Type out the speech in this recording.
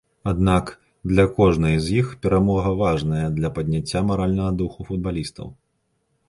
Аднак для кожнай з іх перамога важная для падняцця маральнага духу футбалістаў.